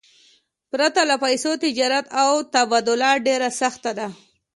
پرته له پیسو، تجارت او تبادله ډېره سخته ده.